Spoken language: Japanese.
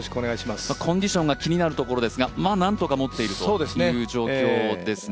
コンディションが気になるところですが、まあなんとかもっているという状況ですね。